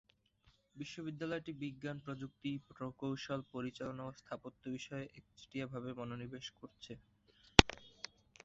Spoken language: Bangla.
বিশ্ববিদ্যালয়টি বিজ্ঞান, প্রযুক্তি, প্রকৌশল, পরিচালনা ও স্থাপত্য বিষয়ে একচেটিয়া ভাবে মনোনিবেশ করেছে।